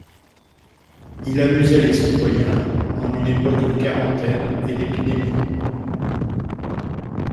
Il amusait les citoyens en une époque de quarantaine et d'épidémie.